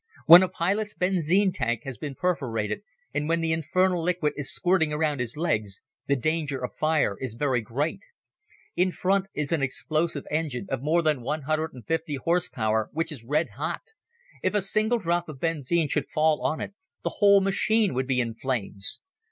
When a pilot's benzine tank has been perforated, and when the infernal liquid is squirting around his legs, the danger of fire is very great. In front is an explosion engine of more than 150 h. p. which is red hot. If a single drop of benzine should fall on it the whole machine would be in flames.